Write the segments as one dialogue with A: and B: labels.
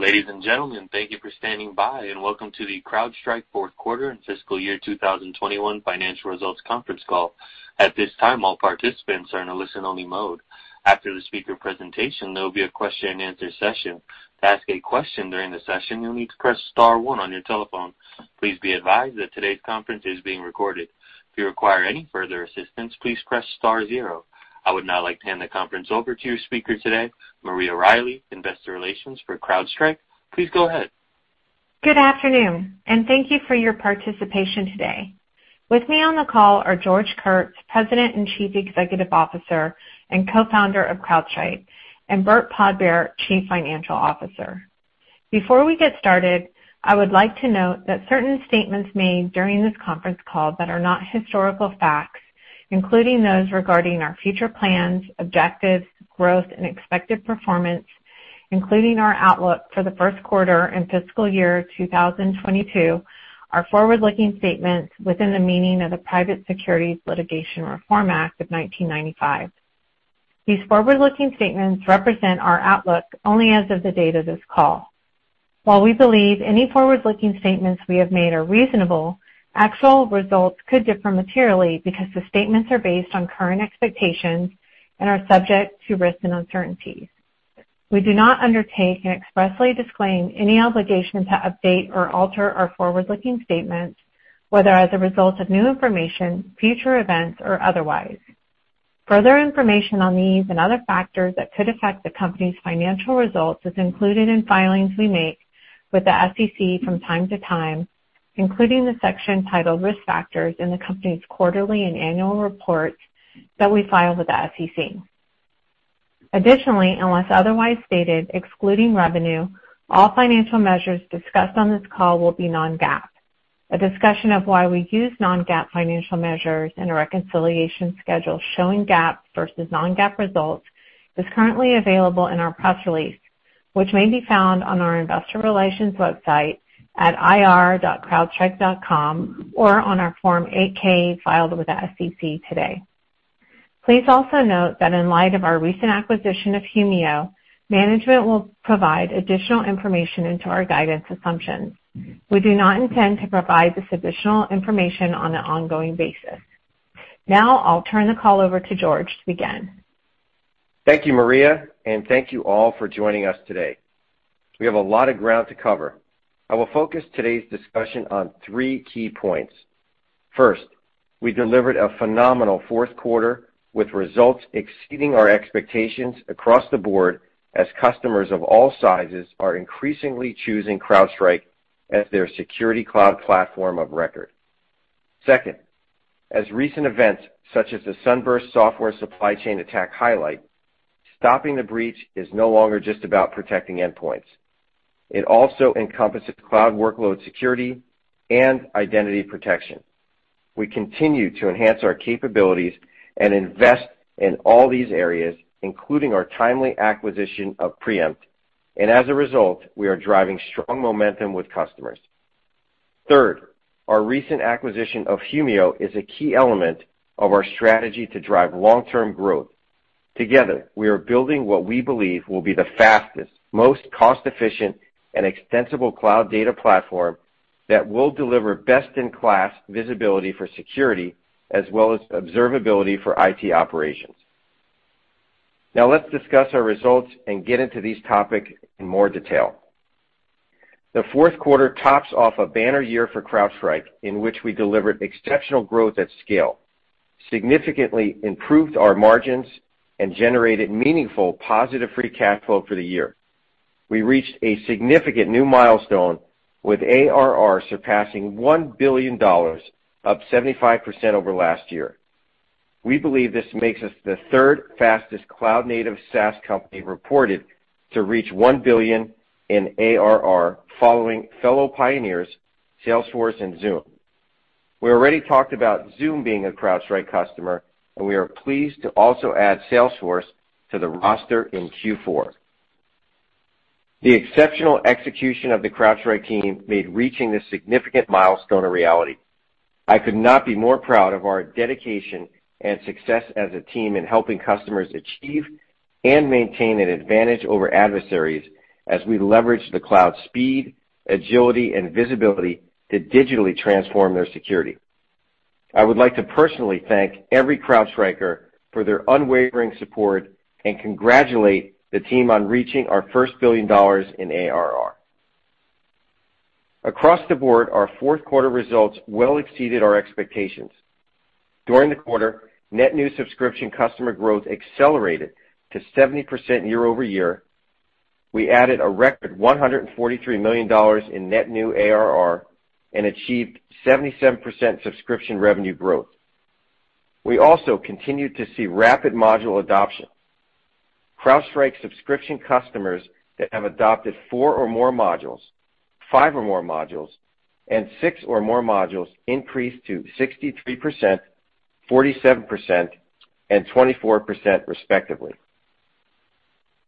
A: Ladies and gentlemen, thank you for standing by, and welcome to the CrowdStrike Fourth Quarter and Fiscal Year 2021 Financial Results Conference Call. At this time, all participants are in a listen-only mode. After the speaker presentation, there will be a question-and-answer session. To asked a question during the session you need to press one on telephone. Please advice that today conference ids been recorded. If you required any assistant please press star zero. I would now like to hand the conference over to your speaker today, Maria Riley, Investor Relations for CrowdStrike. Please go ahead.
B: Good afternoon, and thank you for your participation today. With me on the call are George Kurtz, President and Chief Executive Officer and Co-Founder of CrowdStrike, and Burt Podbere, Chief Financial Officer. Before we get started, I would like to note that certain statements made during this conference call that are not historical facts, including those regarding our future plans, objectives, growth, and expected performance, including our outlook for the first quarter and fiscal year 2022, are forward-looking statements within the meaning of the Private Securities Litigation Reform Act of 1995. These forward-looking statements represent our outlook only as of the date of this call. While we believe any forward-looking statements we have made are reasonable, actual results could differ materially because the statements are based on current expectations and are subject to risks and uncertainties. We do not undertake and expressly disclaim any obligation to update or alter our forward-looking statements, whether as a result of new information, future events, or otherwise. Further information on these and other factors that could affect the company's financial results is included in filings we make with the SEC from time to time, including the section titled Risk Factors in the company's quarterly and annual reports that we file with the SEC. Additionally, unless otherwise stated, excluding revenue, all financial measures discussed on this call will be non-GAAP. A discussion of why we use non-GAAP financial measures and a reconciliation schedule showing GAAP versus non-GAAP results is currently available in our press release, which may be found on our investor relations website at ir.crowdstrike.com or on our Form 8-K filed with the SEC today. Please also note that in light of our recent acquisition of Humio, management will provide additional information into our guidance assumptions. We do not intend to provide this additional information on an ongoing basis. I'll turn the call over to George to begin.
C: Thank you, Maria, and thank you all for joining us today. We have a lot of ground to cover. I will focus today's discussion on three key points. First, we delivered a phenomenal fourth quarter with results exceeding our expectations across the board as customers of all sizes are increasingly choosing CrowdStrike as their security cloud platform of record. Second, as recent events such as the SUNBURST software supply chain attack highlight, stopping the breach is no longer just about protecting endpoints. It also encompasses cloud workload security and identity protection. We continue to enhance our capabilities and invest in all these areas, including our timely acquisition of Preempt, and as a result, we are driving strong momentum with customers. Third, our recent acquisition of Humio is a key element of our strategy to drive long-term growth. Together, we are building what we believe will be the fastest, most cost-efficient, and extensible cloud data platform that will deliver best-in-class visibility for security as well as observability for IT operations. Now let's discuss our results and get into these topics in more detail. The fourth quarter tops off a banner year for CrowdStrike in which we delivered exceptional growth at scale, significantly improved our margins, and generated meaningful positive free cash flow for the year. We reached a significant new milestone with ARR surpassing $1 billion, up 75% over last year. We believe this makes us the third fastest cloud-native SaaS company reported to reach $1 billion in ARR, following fellow pioneers Salesforce and Zoom. We already talked about Zoom being a CrowdStrike customer, and we are pleased to also add Salesforce to the roster in Q4. The exceptional execution of the CrowdStrike team made reaching this significant milestone a reality. I could not be more proud of our dedication and success as a team in helping customers achieve and maintain an advantage over adversaries as we leverage the cloud speed, agility, and visibility to digitally transform their security. I would like to personally thank every CrowdStriker for their unwavering support and congratulate the team on reaching our first $1 billion in ARR. Across the board, our fourth quarter results well exceeded our expectations. During the quarter, net new subscription customer growth accelerated to 70% year-over-year. We added a record $143 million in net new ARR and achieved 77% subscription revenue growth. We also continued to see rapid module adoption. CrowdStrike subscription customers that have adopted four or more modules, five or more modules, and six or more modules increased to 63%, 47%, and 24% respectively.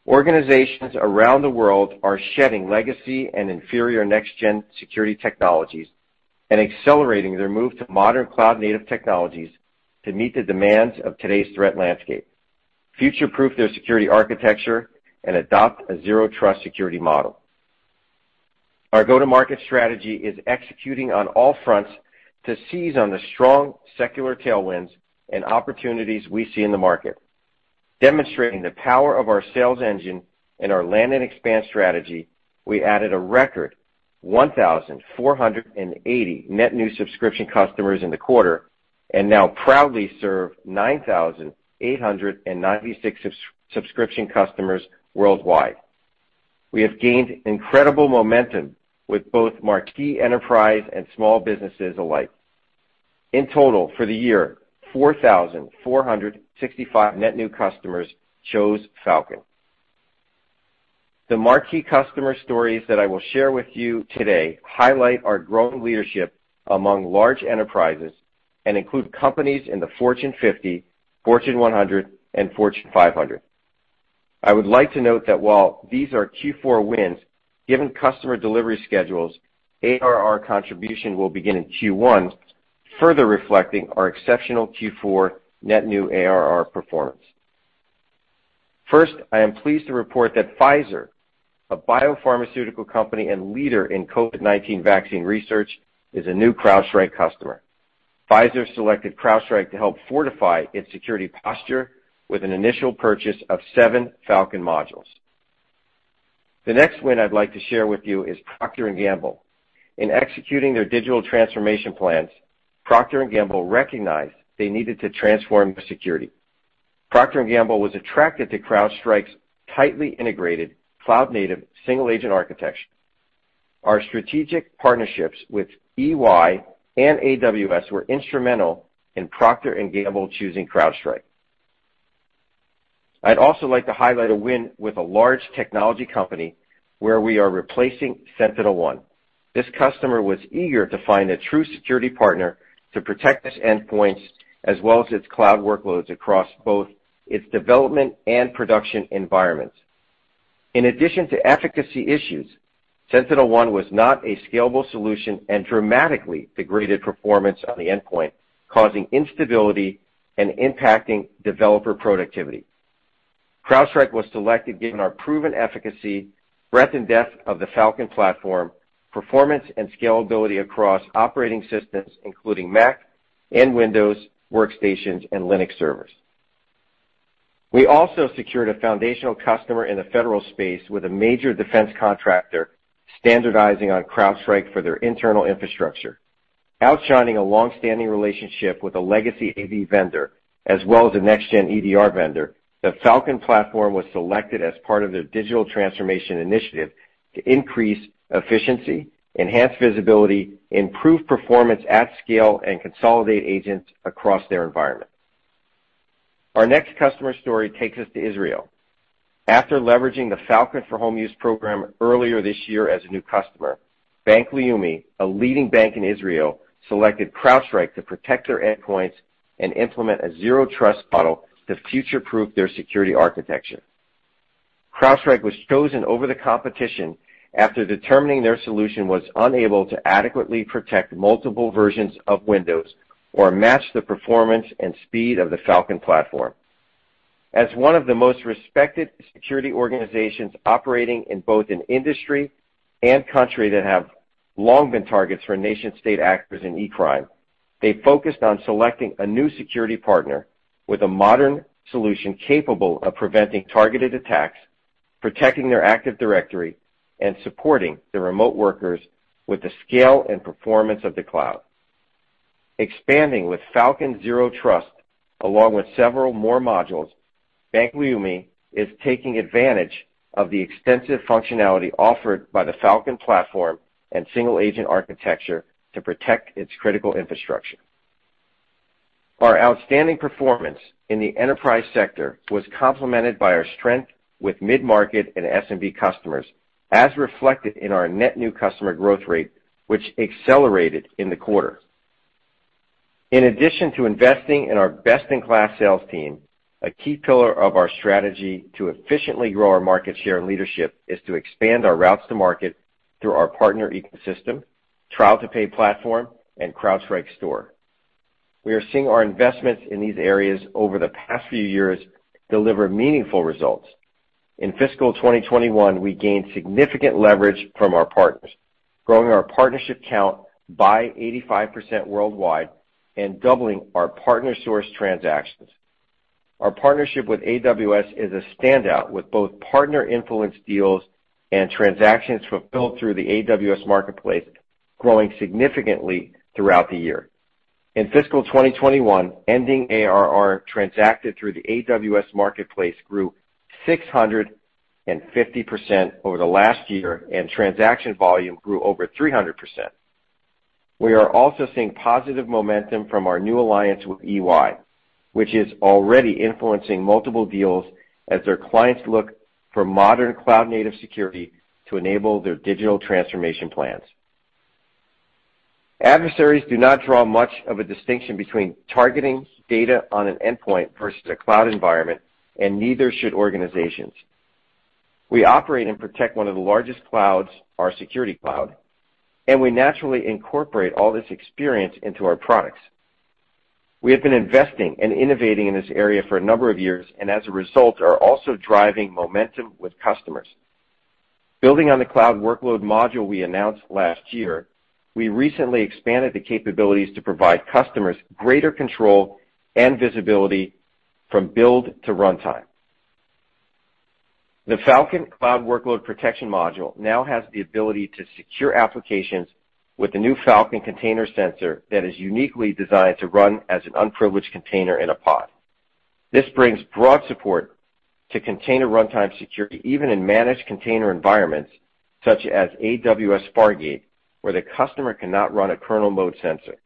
C: Organizations around the world are shedding legacy and inferior next-gen security technologies. Accelerating their move to modern cloud-native technologies to meet the demands of today's threat landscape, future-proof their security architecture, and adopt a Zero Trust security model. Our go-to-market strategy is executing on all fronts to seize on the strong secular tailwinds and opportunities we see in the market. Demonstrating the power of our sales engine and our land and expand strategy, we added a record 1,480 net new subscription customers in the quarter, and now proudly serve 9,896 subscription customers worldwide. We have gained incredible momentum with both marquee enterprise and small businesses alike. In total, for the year, 4,465 net new customers chose Falcon. The marquee customer stories that I will share with you today highlight our growing leadership among large enterprises and include companies in the Fortune 50, Fortune 100, and Fortune 500. I would like to note that while these are Q4 wins, given customer delivery schedules, ARR contribution will begin in Q1, further reflecting our exceptional Q4 net new ARR performance. First, I am pleased to report that Pfizer, a biopharmaceutical company and leader in COVID-19 vaccine research, is a new CrowdStrike customer. Pfizer selected CrowdStrike to help fortify its security posture with an initial purchase of seven Falcon modules. The next win I'd like to share with you is Procter & Gamble. In executing their digital transformation plans, Procter & Gamble recognized they needed to transform their security. Procter & Gamble was attracted to CrowdStrike's tightly integrated cloud-native single-agent architecture. Our strategic partnerships with EY and AWS were instrumental in Procter & Gamble choosing CrowdStrike. I'd also like to highlight a win with a large technology company where we are replacing SentinelOne. This customer was eager to find a true security partner to protect its endpoints as well as its cloud workloads across both its development and production environments. In addition to efficacy issues, SentinelOne was not a scalable solution and dramatically degraded performance on the endpoint, causing instability and impacting developer productivity. CrowdStrike was selected given our proven efficacy, breadth and depth of the Falcon platform, performance and scalability across operating systems, including Mac and Windows workstations and Linux servers. We also secured a foundational customer in the federal space with a major defense contractor standardizing on CrowdStrike for their internal infrastructure. Outshining a long-standing relationship with a legacy AV vendor as well as a next-gen EDR vendor, the Falcon platform was selected as part of their digital transformation initiative to increase efficiency, enhance visibility, improve performance at scale, and consolidate agents across their environment. Our next customer story takes us to Israel. After leveraging the Falcon for Home Use program earlier this year as a new customer, Bank Leumi, a leading bank in Israel, selected CrowdStrike to protect their endpoints and implement a Zero Trust model to future-proof their security architecture. CrowdStrike was chosen over the competition after determining their solution was unable to adequately protect multiple versions of Windows or match the performance and speed of the Falcon platform. As one of the most respected security organizations operating in both an industry and country that have long been targets for nation-state actors and e-crime, they focused on selecting a new security partner with a modern solution capable of preventing targeted attacks, protecting their Active Directory, and supporting the remote workers with the scale and performance of the cloud. Expanding with Falcon Zero Trust along with several more modules, Bank Leumi is taking advantage of the extensive functionality offered by the Falcon platform and single-agent architecture to protect its critical infrastructure. Our outstanding performance in the enterprise sector was complemented by our strength with mid-market and SMB customers, as reflected in our net new customer growth rate, which accelerated in the quarter. In addition to investing in our best-in-class sales team, a key pillar of our strategy to efficiently grow our market share and leadership is to expand our routes to market through our partner ecosystem, trial-to-pay platform, and CrowdStrike Store. We are seeing our investments in these areas over the past few years deliver meaningful results. In fiscal 2021, we gained significant leverage from our partners, growing our partnership count by 85% worldwide and doubling our partner source transactions. Our partnership with AWS is a standout with both partner influence deals and transactions fulfilled through the AWS Marketplace growing significantly throughout the year. In fiscal 2021, ending ARR transacted through the AWS Marketplace grew 650% over the last year, and transaction volume grew over 300%. We are also seeing positive momentum from our new alliance with EY, which is already influencing multiple deals as their clients look for modern cloud-native security to enable their digital transformation plans. Adversaries do not draw much of a distinction between targeting data on an endpoint versus a cloud environment, and neither should organizations. We operate and protect one of the largest clouds, our security cloud, and we naturally incorporate all this experience into our products. We have been investing and innovating in this area for a number of years, and as a result, are also driving momentum with customers. Building on the cloud workload module we announced last year, we recently expanded the capabilities to provide customers greater control and visibility from build to runtime. The Falcon Cloud Workload Protection module now has the ability to secure applications with the new Falcon container sensor that is uniquely designed to run as an unprivileged container in a pod. This brings broad support to container runtime security, even in managed container environments such as AWS Fargate, where the customer cannot run a kernel mode sensor.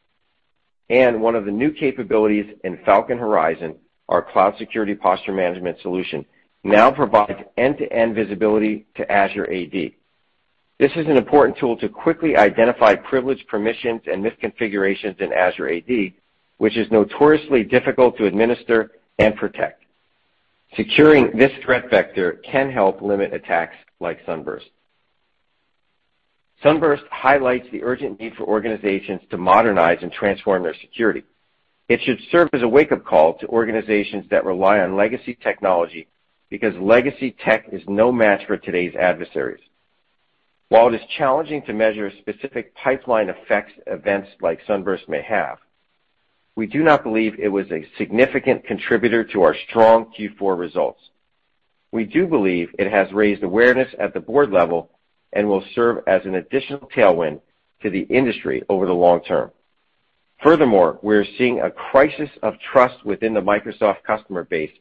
C: One of the new capabilities in Falcon Horizon, our cloud security posture management solution, now provides end-to-end visibility to Azure AD. This is an important tool to quickly identify privileged permissions and misconfigurations in Azure AD, which is notoriously difficult to administer and protect. Securing this threat vector can help limit attacks like SUNBURST. SUNBURST highlights the urgent need for organizations to modernize and transform their security. It should serve as a wake-up call to organizations that rely on legacy technology, because legacy tech is no match for today's adversaries. While it is challenging to measure specific pipeline effects events like SUNBURST may have, we do not believe it was a significant contributor to our strong Q4 results. We do believe it has raised awareness at the board level and will serve as an additional tailwind to the industry over the long term. We are seeing a crisis of trust within the Microsoft customer base,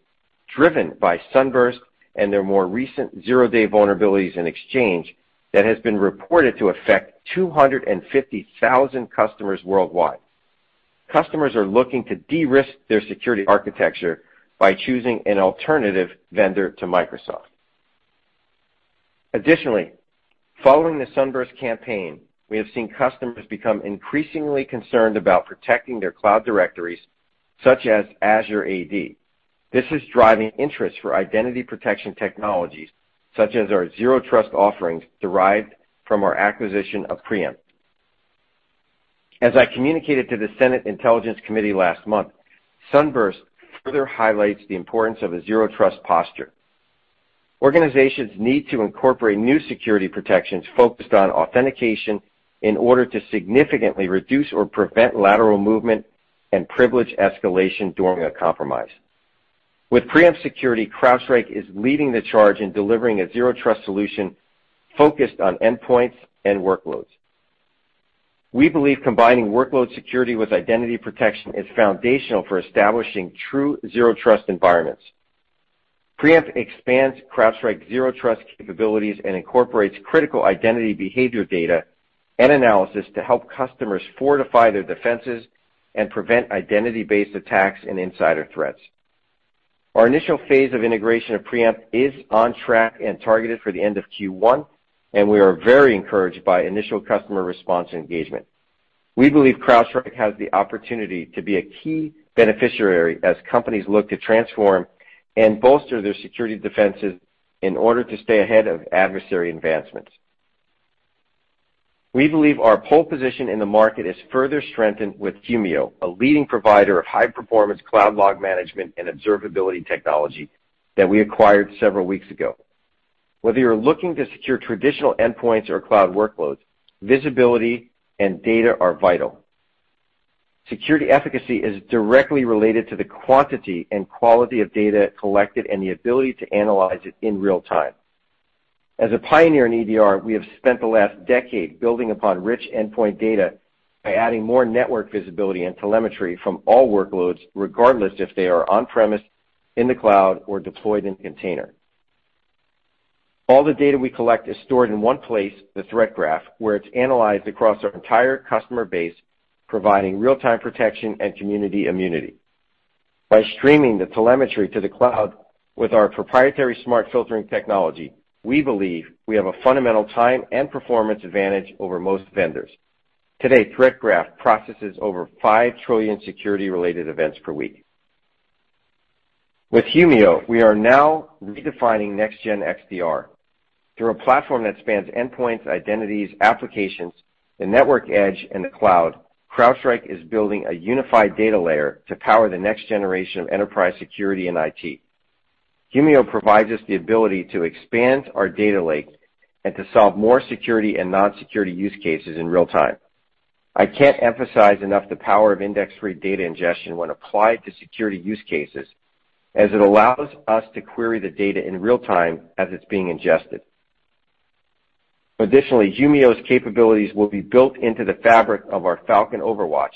C: driven by SUNBURST and their more recent zero-day vulnerabilities in Exchange that has been reported to affect 250,000 customers worldwide. Customers are looking to de-risk their security architecture by choosing an alternative vendor to Microsoft. Following the SUNBURST campaign, we have seen customers become increasingly concerned about protecting their cloud directories, such as Azure AD. This is driving interest for identity protection technologies, such as our Zero Trust offerings derived from our acquisition of Preempt. As I communicated to the Senate Intelligence Committee last month, SUNBURST further highlights the importance of a Zero Trust posture. Organizations need to incorporate new security protections focused on authentication in order to significantly reduce or prevent lateral movement and privilege escalation during a compromise. With Preempt Security, CrowdStrike is leading the charge in delivering a Zero Trust solution focused on endpoints and workloads. We believe combining workload security with identity protection is foundational for establishing true Zero Trust environments. Preempt expands CrowdStrike's Zero Trust capabilities and incorporates critical identity behavior data and analysis to help customers fortify their defenses and prevent identity-based attacks and insider threats. Our initial phase of integration of Preempt is on track and targeted for the end of Q1. We are very encouraged by initial customer response and engagement. We believe CrowdStrike has the opportunity to be a key beneficiary as companies look to transform and bolster their security defenses in order to stay ahead of adversary advancements. We believe our pole position in the market is further strengthened with Humio, a leading provider of high-performance cloud log management and observability technology that we acquired several weeks ago. Whether you're looking to secure traditional endpoints or cloud workloads, visibility and data are vital. Security efficacy is directly related to the quantity and quality of data collected and the ability to analyze it in real time. As a pioneer in EDR, we have spent the last decade building upon rich endpoint data by adding more network visibility and telemetry from all workloads, regardless if they are on-premise, in the cloud, or deployed in container. All the data we collect is stored in one place, the Threat Graph, where it's analyzed across our entire customer base, providing real-time protection and community immunity. By streaming the telemetry to the cloud with our proprietary smart filtering technology, we believe we have a fundamental time and performance advantage over most vendors. Today, Threat Graph processes over 5 trillion security-related events per week. With Humio, we are now redefining next-gen XDR. Through a platform that spans endpoints, identities, applications, the network edge, and the cloud, CrowdStrike is building a unified data layer to power the next generation of enterprise security and IT. Humio provides us the ability to expand our data lake and to solve more security and non-security use cases in real time. I can't emphasize enough the power of index-free data ingestion when applied to security use cases, as it allows us to query the data in real time as it's being ingested. Additionally, Humio's capabilities will be built into the fabric of our Falcon OverWatch,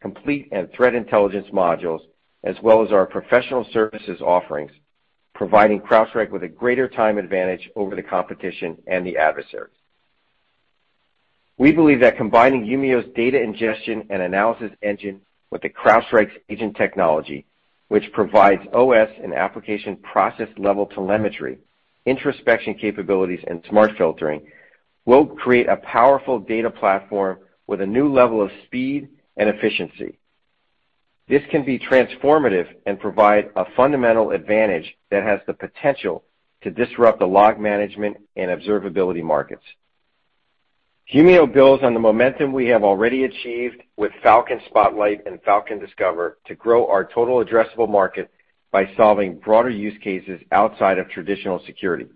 C: Complete and threat intelligence modules, as well as our professional services offerings, providing CrowdStrike with a greater time advantage over the competition and the adversaries. We believe that combining Humio's data ingestion and analysis engine with the CrowdStrike's agent technology, which provides OS and application process-level telemetry, introspection capabilities, and smart filtering, will create a powerful data platform with a new level of speed and efficiency. This can be transformative and provide a fundamental advantage that has the potential to disrupt the log management and observability markets. Humio builds on the momentum we have already achieved with Falcon Spotlight and Falcon Discover to grow our total addressable market by solving broader use cases outside of traditional security.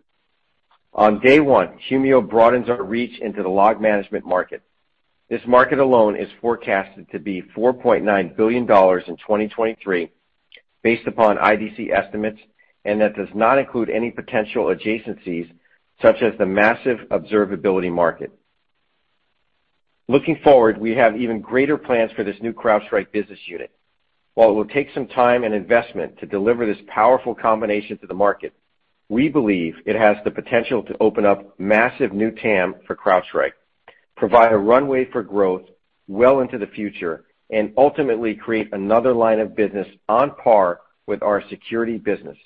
C: On day one, Humio broadens our reach into the log management market. This market alone is forecasted to be $4.9 billion in 2023, based upon IDC estimates, and that does not include any potential adjacencies, such as the massive observability market. Looking forward, we have even greater plans for this new CrowdStrike business unit. While it will take some time and investment to deliver this powerful combination to the market, we believe it has the potential to open up massive new TAM for CrowdStrike, provide a runway for growth well into the future, and ultimately create another line of business on par with our security business.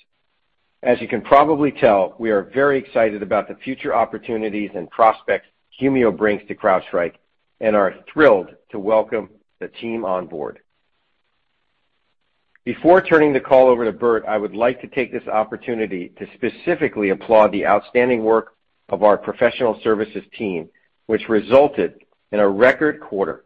C: As you can probably tell, we are very excited about the future opportunities and prospects Humio brings to CrowdStrike and are thrilled to welcome the team on board. Before turning the call over to Burt, I would like to take this opportunity to specifically applaud the outstanding work of our professional services team, which resulted in a record quarter.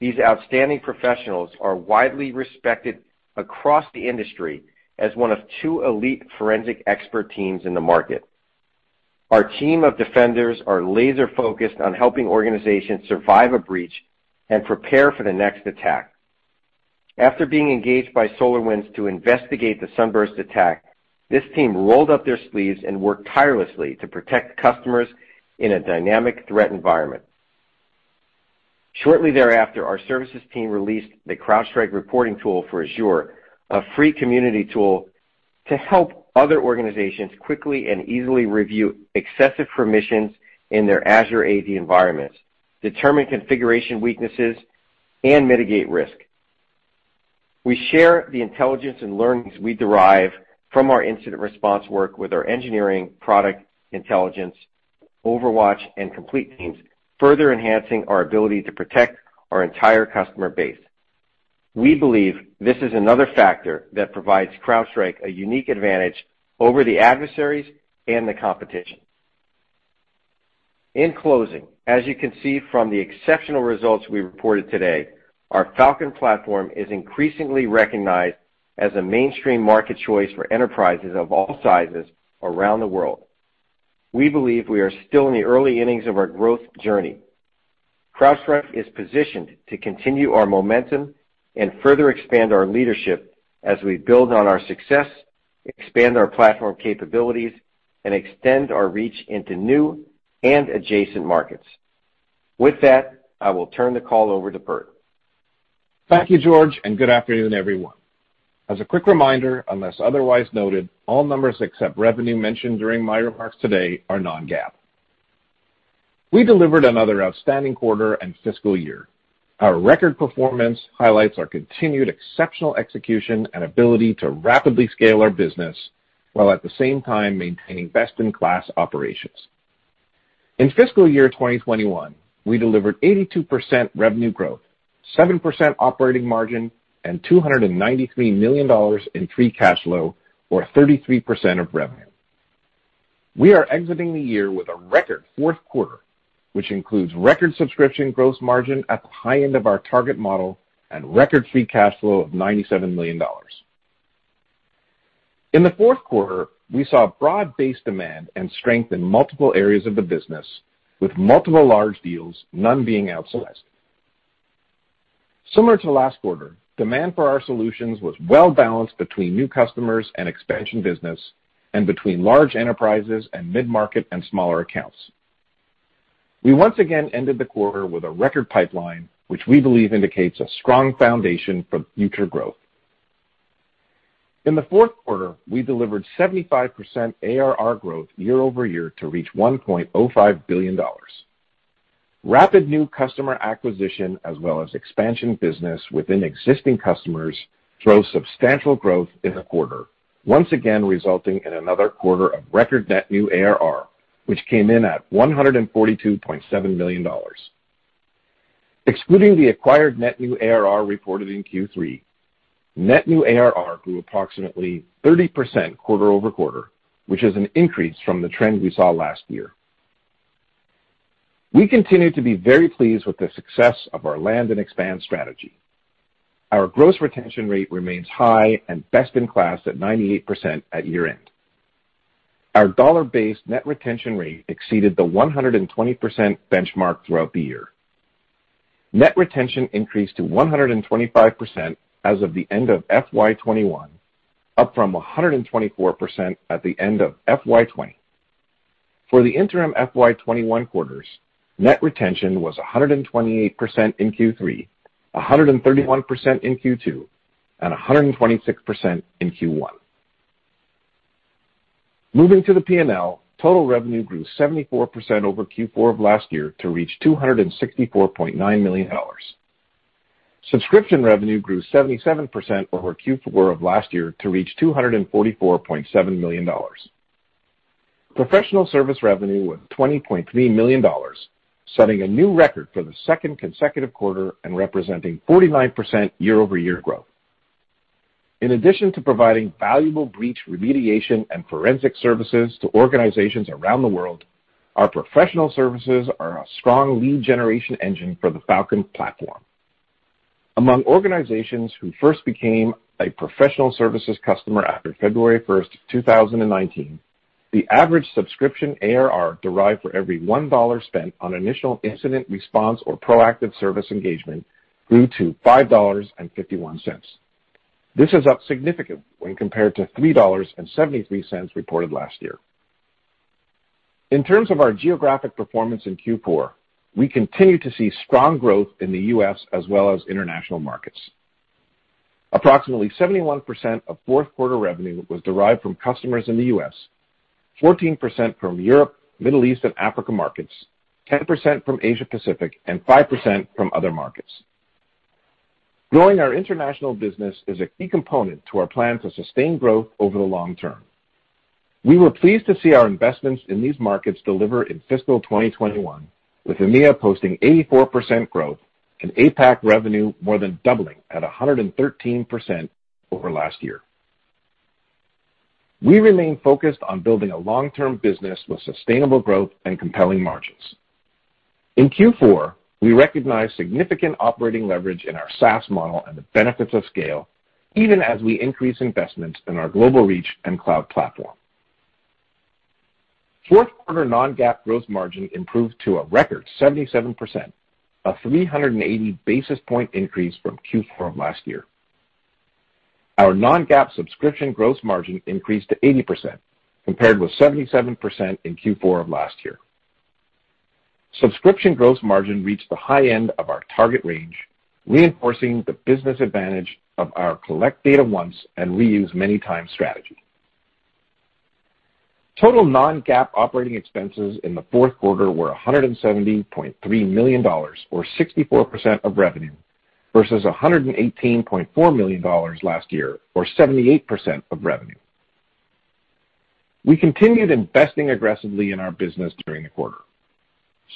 C: These outstanding professionals are widely respected across the industry as one of two elite forensic expert teams in the market. Our team of defenders are laser-focused on helping organizations survive a breach and prepare for the next attack. After being engaged by SolarWinds to investigate the SUNBURST attack, this team rolled up their sleeves and worked tirelessly to protect customers in a dynamic threat environment. Shortly thereafter, our services team released the CrowdStrike Reporting Tool for Azure, a free community tool to help other organizations quickly and easily review excessive permissions in their Azure AD environments, determine configuration weaknesses, and mitigate risk. We share the intelligence and learnings we derive from our incident response work with our engineering, product intelligence, OverWatch, and Complete teams, further enhancing our ability to protect our entire customer base. We believe this is another factor that provides CrowdStrike a unique advantage over the adversaries and the competition. In closing, as you can see from the exceptional results we reported today, our Falcon platform is increasingly recognized as a mainstream market choice for enterprises of all sizes around the world. We believe we are still in the early innings of our growth journey. CrowdStrike is positioned to continue our momentum and further expand our leadership as we build on our success, expand our platform capabilities, and extend our reach into new and adjacent markets. With that, I will turn the call over to Burt.
D: Thank you, George, and good afternoon, everyone. As a quick reminder, unless otherwise noted, all numbers except revenue mentioned during my remarks today are non-GAAP. We delivered another outstanding quarter and fiscal year. Our record performance highlights our continued exceptional execution and ability to rapidly scale our business, while at the same time maintaining best-in-class operations. In fiscal year 2021, we delivered 82% revenue growth, 7% operating margin, and $293 million in free cash flow or 33% of revenue. We are exiting the year with a record fourth quarter, which includes record subscription gross margin at the high end of our target model and record free cash flow of $97 million. In the fourth quarter, we saw broad-based demand and strength in multiple areas of the business with multiple large deals, none being outsized. Similar to last quarter, demand for our solutions was well-balanced between new customers and expansion business, and between large enterprises and mid-market and smaller accounts. We once again ended the quarter with a record pipeline, which we believe indicates a strong foundation for future growth. In the fourth quarter, we delivered 75% ARR growth year-over-year to reach $1.05 billion. Rapid new customer acquisition, as well as expansion business within existing customers, drove substantial growth in the quarter, once again resulting in another quarter of record net new ARR, which came in at $142.7 million. Excluding the acquired net new ARR reported in Q3, net new ARR grew approximately 30% quarter-over-quarter, which is an increase from the trend we saw last year. We continue to be very pleased with the success of our land and expand strategy. Our gross retention rate remains high and best in class at 98% at year-end. Our dollar-based net retention rate exceeded the 120% benchmark throughout the year. Net retention increased to 125% as of the end of FY 2021, up from 124% at the end of FY 2020. For the interim FY 2021 quarters, net retention was 128% in Q3, 131% in Q2, and 126% in Q1. Moving to the P&L, total revenue grew 74% over Q4 of last year to reach $264.9 million. Subscription revenue grew 77% over Q4 of last year to reach $244.7 million. Professional service revenue was $20.3 million, setting a new record for the second consecutive quarter and representing 49% year-over-year growth. In addition to providing valuable breach remediation and forensic services to organizations around the world, our professional services are a strong lead generation engine for the Falcon Platform. Among organizations who first became a professional services customer after February 1st, 2019, the average subscription ARR derived for every $1 spent on initial incident response or proactive service engagement grew to $5.51. This is up significant when compared to $3.73 reported last year. In terms of our geographic performance in Q4, we continue to see strong growth in the U.S. as well as international markets. Approximately 71% of fourth quarter revenue was derived from customers in the U.S., 14% from Europe, Middle East, and Africa markets, 10% from Asia Pacific, and 5% from other markets. Growing our international business is a key component to our plan to sustain growth over the long term. We were pleased to see our investments in these markets deliver in fiscal 2021, with EMEA posting 84% growth and APAC revenue more than doubling at 113% over last year. We remain focused on building a long-term business with sustainable growth and compelling margins. In Q4, we recognized significant operating leverage in our SaaS model and the benefits of scale, even as we increase investments in our global reach and cloud platform. Fourth quarter non-GAAP gross margin improved to a record 77%, a 380 basis points increase from Q4 of last year. Our non-GAAP subscription growth margin increased to 80%, compared with 77% in Q4 of last year. Subscription growth margin reached the high end of our target range, reinforcing the business advantage of our collect data once and reuse many times strategy. Total non-GAAP operating expenses in the fourth quarter were $170.3 million, or 64% of revenue, versus $118.4 million last year, or 78% of revenue. We continued investing aggressively in our business during the quarter.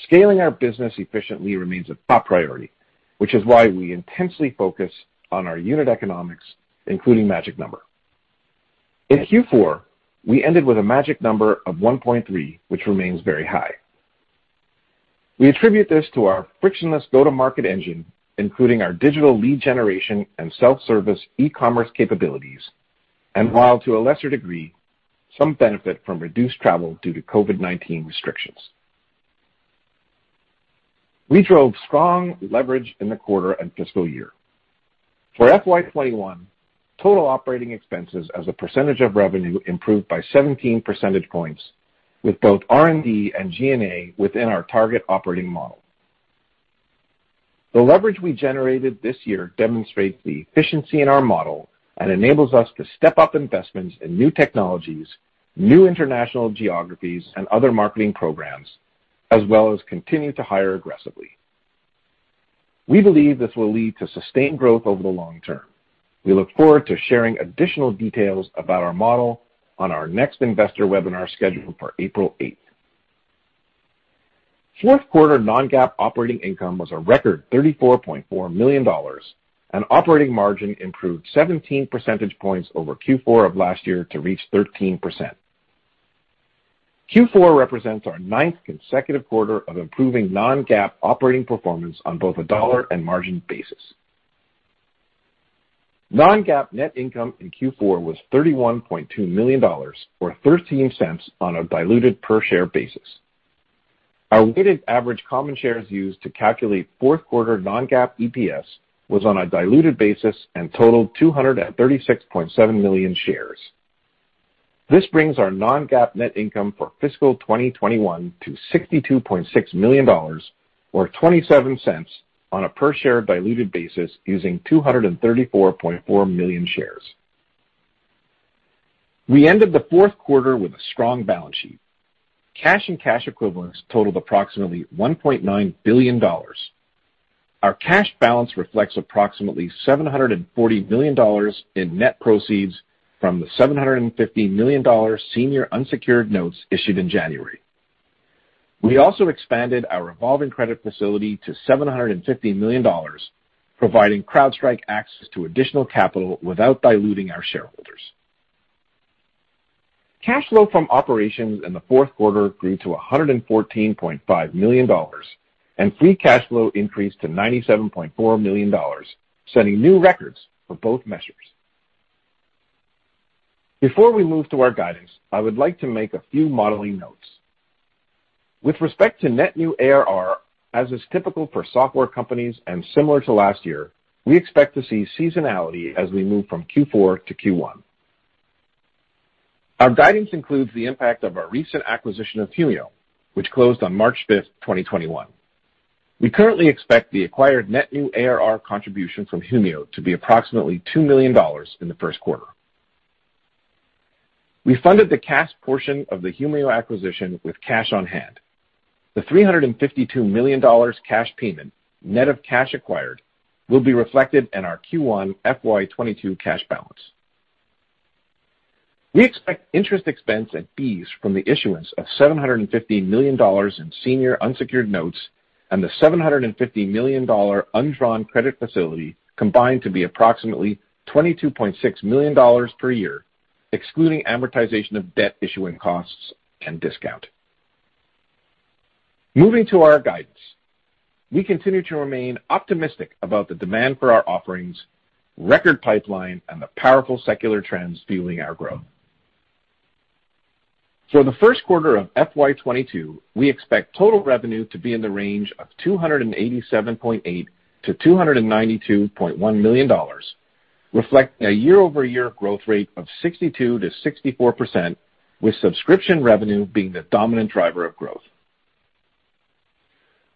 D: Scaling our business efficiently remains a top priority, which is why we intensely focus on our unit economics, including magic number. In Q4, we ended with a magic number of 1.3, which remains very high. We attribute this to our frictionless go-to-market engine, including our digital lead generation and self-service e-commerce capabilities, and while to a lesser degree, some benefit from reduced travel due to COVID-19 restrictions. We drove strong leverage in the quarter and fiscal year. For FY 2021, total operating expenses as a percentage of revenue improved by 17 percentage points, with both R&D and G&A within our target operating model. The leverage we generated this year demonstrates the efficiency in our model and enables us to step up investments in new technologies, new international geographies, and other marketing programs, as well as continue to hire aggressively. We believe this will lead to sustained growth over the long term. We look forward to sharing additional details about our model on our next investor webinar scheduled for April 8th. Fourth quarter non-GAAP operating income was a record $34.4 million, and operating margin improved 17 percentage points over Q4 of last year to reach 13%. Q4 represents our ninth consecutive quarter of improving non-GAAP operating performance on both a dollar and margin basis. Non-GAAP net income in Q4 was $31.2 million, or $0.13 on a diluted per share basis. Our weighted average common shares used to calculate fourth quarter non-GAAP EPS was on a diluted basis and totaled 236.7 million shares. This brings our non-GAAP net income for fiscal 2021 to $62.6 million, or $0.27 on a per share diluted basis using 234.4 million shares. We ended the fourth quarter with a strong balance sheet. Cash and cash equivalents totaled approximately $1.9 billion. Our cash balance reflects approximately $740 million in net proceeds from the $750 million senior unsecured notes issued in January. We also expanded our revolving credit facility to $750 million, providing CrowdStrike access to additional capital without diluting our shareholders. Cash flow from operations in the fourth quarter grew to $114.5 million, and free cash flow increased to $97.4 million, setting new records for both measures. Before we move to our guidance, I would like to make a few modeling notes. With respect to net new ARR, as is typical for software companies and similar to last year, we expect to see seasonality as we move from Q4 to Q1. Our guidance includes the impact of our recent acquisition of Humio, which closed on March 5th, 2021. We currently expect the acquired net new ARR contribution from Humio to be approximately $2 million in the first quarter. We funded the cash portion of the Humio acquisition with cash on hand. The $352 million cash payment, net of cash acquired, will be reflected in our Q1 FY 2022 cash balance. We expect interest expense and fees from the issuance of $750 million in senior unsecured notes and the $750 million undrawn credit facility combined to be approximately $22.6 million per year, excluding amortization of debt, issuing costs, and discount. Moving to our guidance. We continue to remain optimistic about the demand for our offerings, record pipeline, and the powerful secular trends fueling our growth. For the first quarter of FY 2022, we expect total revenue to be in the range of $287.8 million-$292.1 million, reflecting a year-over-year growth rate of 62%-64%, with subscription revenue being the dominant driver of growth.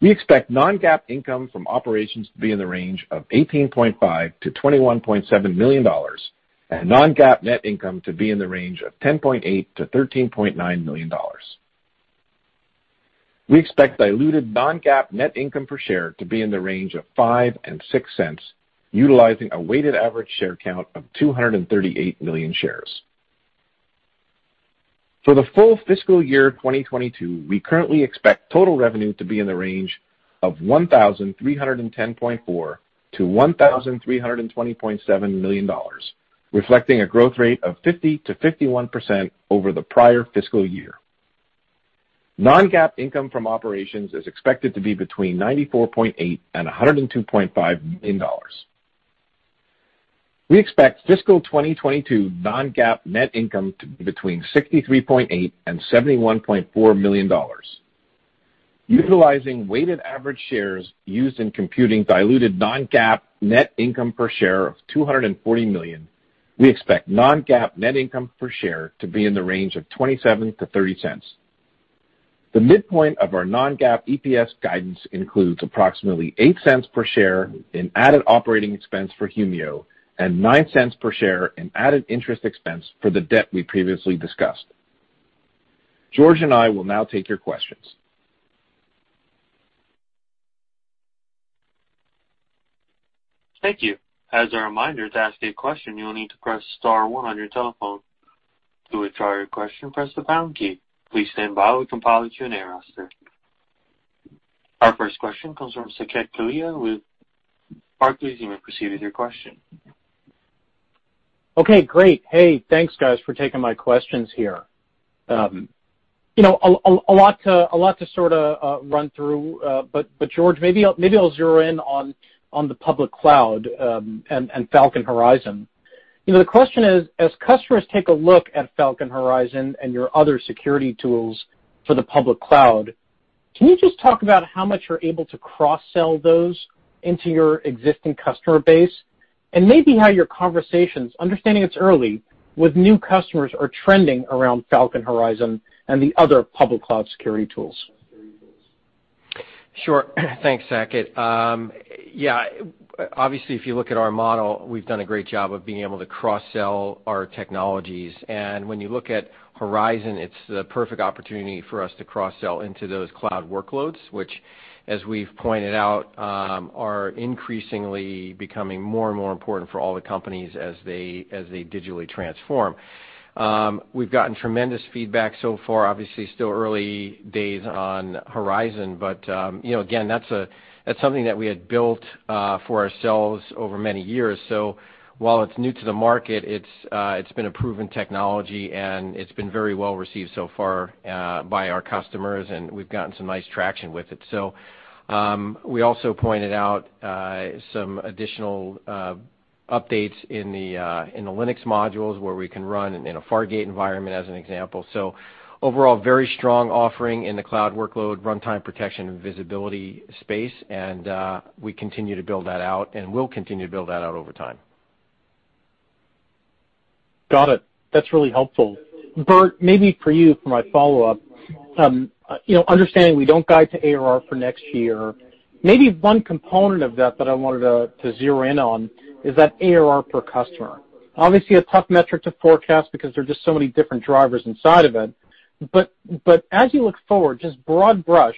D: We expect non-GAAP income from operations to be in the range of $18.5 million-$21.7 million and non-GAAP net income to be in the range of $10.8 million-$13.9 million. We expect diluted non-GAAP net income per share to be in the range of $0.05 and $0.06, utilizing a weighted average share count of 238 million shares. For the full fiscal year 2022, we currently expect total revenue to be in the range of $1,310.4 million-$1,320.7 million, reflecting a growth rate of 50%-51% over the prior fiscal year. Non-GAAP income from operations is expected to be between $94.8 million and $102.5 million. We expect fiscal 2022 non-GAAP net income to be between $63.8 million and $71.4 million. Utilizing weighted average shares used in computing diluted non-GAAP net income per share of $240 million, we expect non-GAAP net income per share to be in the range of $0.27-$0.30. The midpoint of our non-GAAP EPS guidance includes approximately $0.08 per share in added operating expense for Humio and $0.09 per share in added interest expense for the debt we previously discussed. George and I will now take your questions.
A: Thank you. As a reminder, to ask a question, you will need to press star one on your telephone. To withdraw your question, press the pound key. Please stand by while we compile a Q and A roster. Our first question comes from Saket Kalia with Barclays. You may proceed with your question.
E: Okay, great. Hey, thanks, guys, for taking my questions here. A lot to sort of run through. George, maybe I'll zero in on the public cloud and Falcon Horizon. The question is, as customers take a look at Falcon Horizon and your other security tools for the public cloud, can you just talk about how much you're able to cross-sell those into your existing customer base? Maybe how your conversations, understanding it's early, with new customers are trending around Falcon Horizon and the other public cloud security tools.
C: Sure. Thanks, Saket. Yeah. Obviously, if you look at our model, we've done a great job of being able to cross-sell our technologies. When you look at Horizon, it's the perfect opportunity for us to cross-sell into those cloud workloads, which as we've pointed out, are increasingly becoming more and more important for all the companies as they digitally transform. We've gotten tremendous feedback so far. Obviously, still early days on Horizon, but again, that's something that we had built for ourselves over many years. While it's new to the market, it's been a proven technology, and it's been very well-received so far by our customers, and we've gotten some nice traction with it. We also pointed out some additional updates in the Linux modules, where we can run in a Fargate environment, as an example. Overall, very strong offering in the cloud workload runtime protection and visibility space, and we continue to build that out and will continue to build that out over time.
E: Got it. That's really helpful. Burt, maybe for you for my follow-up. Understanding we don't guide to ARR for next year, maybe one component of that that I wanted to zero in on is that ARR per customer. Obviously, a tough metric to forecast because there are just so many different drivers inside of it. As you look forward, just broad brush,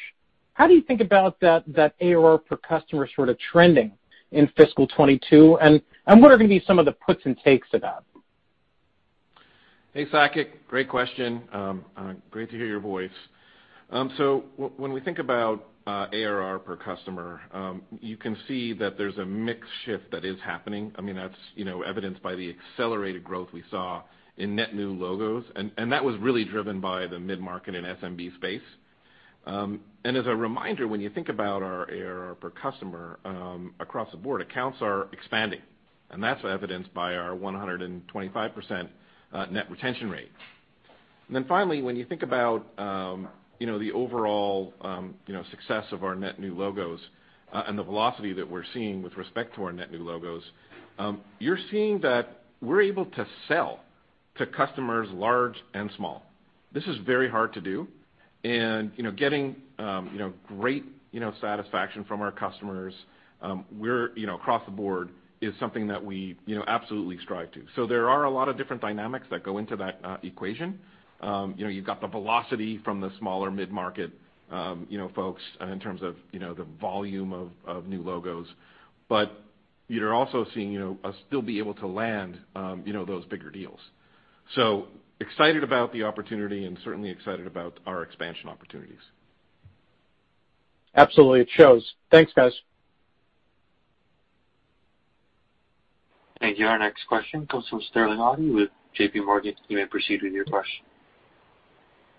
E: how do you think about that ARR per customer sort of trending in fiscal 2022, and what are going to be some of the puts and takes of that?
D: Hey, Saket, great question. Great to hear your voice. When we think about ARR per customer, you can see that there's a mix shift that is happening. That's evidenced by the accelerated growth we saw in net new logos, that was really driven by the mid-market and SMB space. As a reminder, when you think about our ARR per customer across the board, accounts are expanding, that's evidenced by our 125% net retention rate. Finally, when you think about the overall success of our net new logos and the velocity that we're seeing with respect to our net new logos, you're seeing that we're able to sell to customers large and small. This is very hard to do, getting great satisfaction from our customers across the board is something that we absolutely strive to. There are a lot of different dynamics that go into that equation. You've got the velocity from the smaller mid-market folks in terms of the volume of new logos. You're also seeing us still be able to land those bigger deals. We are excited about the opportunity and certainly excited about our expansion opportunities.
E: Absolutely. It shows. Thanks, guys.
A: Thank you. Our next question comes from Sterling Auty with JPMorgan. You may proceed with your question.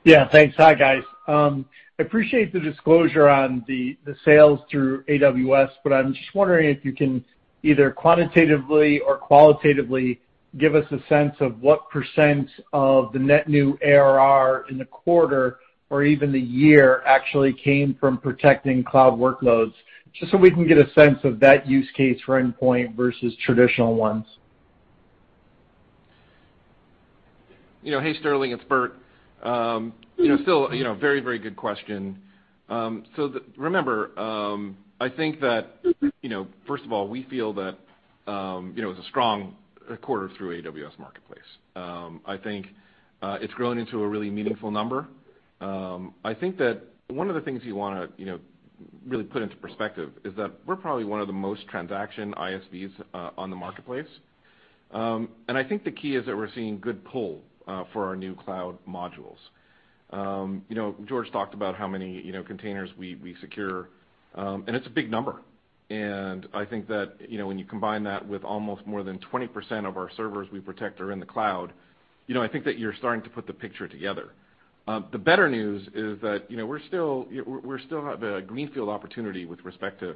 F: Yeah, thanks. Hi, guys. I appreciate the disclosure on the sales through AWS, but I'm just wondering if you can either quantitatively or qualitatively give us a sense of what percent of the net new ARR in the quarter or even the year actually came from protecting cloud workloads, just so we can get a sense of that use case for endpoint versus traditional ones.
D: Hey, Sterling, it's Burt. Still very good question. Remember, I think that, first of all, we feel that it was a strong quarter through AWS Marketplace. I think it's grown into a really meaningful number. I think that one of the things you want to really put into perspective is that we're probably one of the most transaction ISVs on the marketplace. I think the key is that we're seeing good pull for our new cloud modules. George talked about how many containers we secure, and it's a big number. I think that when you combine that with almost more than 20% of our servers we protect are in the cloud, I think that you're starting to put the picture together. The better news is that we still have a greenfield opportunity with respect to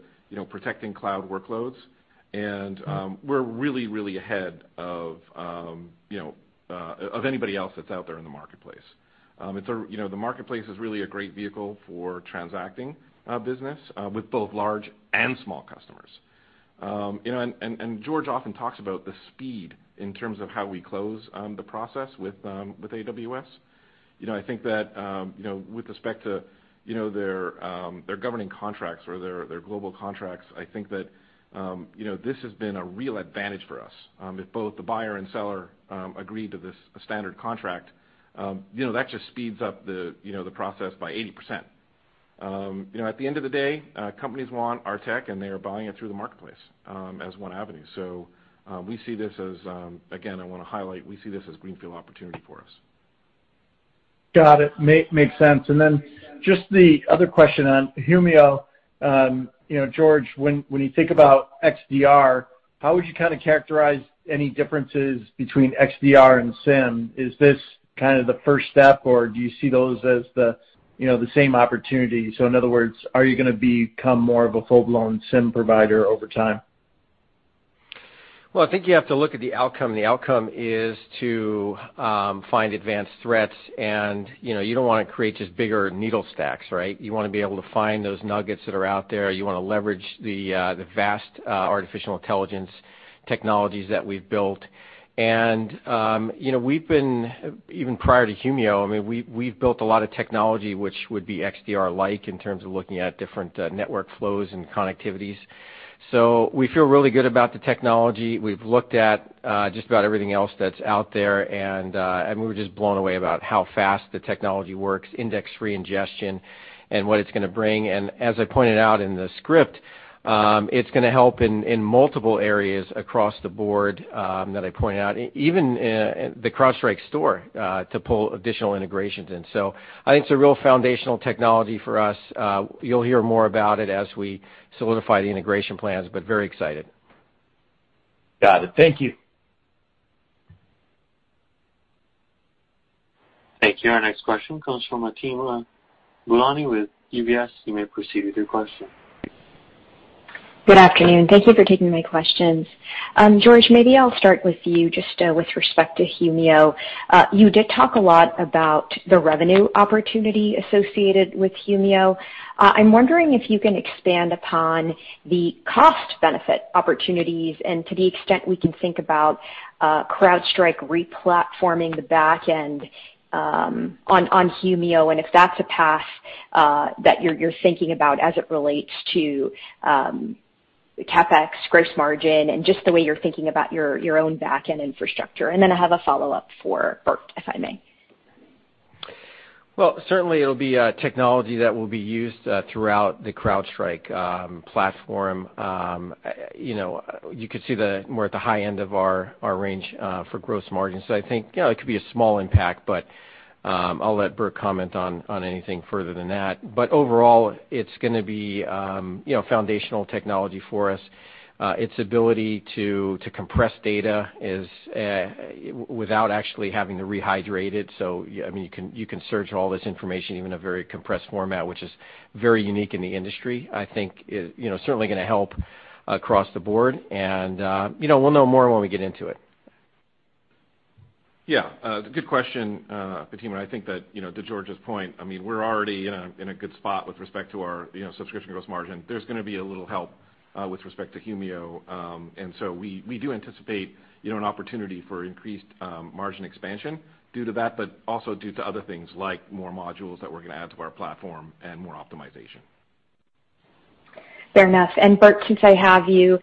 D: protecting cloud workloads, and we're really ahead of anybody else that's out there in the marketplace. The marketplace is really a great vehicle for transacting business with both large and small customers. George often talks about the speed in terms of how we close the process with AWS. I think that with respect to their governing contracts or their global contracts, I think that this has been a real advantage for us. If both the buyer and seller agree to this standard contract, that just speeds up the process by 80%. At the end of the day, companies want our tech, and they are buying it through the marketplace as one avenue. We see this as, again, I want to highlight, we see this as greenfield opportunity for us.
F: Got it. Makes sense. Then just the other question on Humio. George, when you think about XDR, how would you kind of characterize any differences between XDR and SIEM? Is this kind of the first step, or do you see those as the same opportunity? In other words, are you going to become more of a full-blown SIEM provider over time?
C: Well, I think you have to look at the outcome, the outcome is to find advanced threats, you don't want to create just bigger needle stacks, right? You want to be able to find those nuggets that are out there. You want to leverage the vast artificial intelligence technologies that we've built. We've been, even prior to Humio, I mean, we've built a lot of technology which would be XDR-like in terms of looking at different network flows and connectivities. We feel really good about the technology. We've looked at just about everything else that's out there, we were just blown away about how fast the technology works, index-free ingestion, and what it's going to bring. As I pointed out in the script, it's going to help in multiple areas across the board that I pointed out, even the CrowdStrike Store to pull additional integrations in. I think it's a real foundational technology for us. You'll hear more about it as we solidify the integration plans, but very excited.
F: Got it. Thank you.
A: Thank you. Our next question comes from Fatima Boolani with UBS. You may proceed with your question.
G: Good afternoon. Thank you for taking my questions. George, maybe I'll start with you just with respect to Humio. You did talk a lot about the revenue opportunity associated with Humio. I'm wondering if you can expand upon the cost benefit opportunities and to the extent we can think about CrowdStrike re-platforming the back end on Humio, and if that's a path that you're thinking about as it relates to CapEx gross margin and just the way you're thinking about your own back-end infrastructure. Then I have a follow-up for Burt, if I may.
C: Certainly it'll be a technology that will be used throughout the CrowdStrike platform. You could see we're at the high end of our range for gross margin. I think it could be a small impact, I'll let Burt comment on anything further than that. Overall, it's going to be foundational technology for us. Its ability to compress data without actually having to rehydrate it. I mean, you can search all this information, even a very compressed format, which is very unique in the industry, I think is certainly going to help across the board. We'll know more when we get into it.
D: Yeah. Good question, Fatima. I think that to George's point, I mean, we're already in a good spot with respect to our subscription gross margin. There's going to be a little help with respect to Humio. We do anticipate an opportunity for increased margin expansion due to that, but also due to other things, like more modules that we're going to add to our platform and more optimization.
G: Fair enough. Burt, since I have you,